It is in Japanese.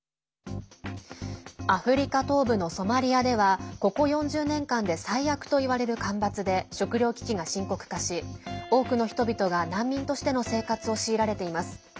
アフリカ東部のソマリアではここ４０年間で最悪といわれる干ばつで食糧危機が深刻化し多くの人々が難民としての生活を強いられています。